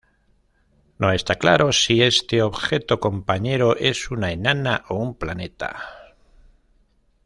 No está claro si este objeto compañero es una enana o un planeta.